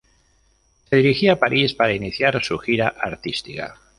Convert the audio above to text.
Se dirigía a París, para iniciar su gira artística.